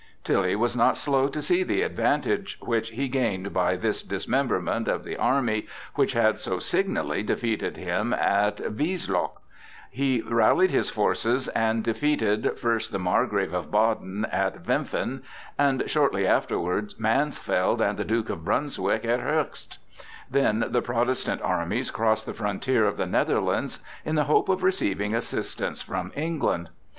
Tilly was not slow to see the advantage which he gained by this dismemberment of the army which had so signally defeated him at Wiesloch; he rallied his forces and defeated first the Margrave of Baden at Wimpfen, and shortly afterwards Mansfeld and the Duke of Brunswick at Höchst. Then the Protestant armies crossed the frontier of the Netherlands in the hope of receiving assistance from England.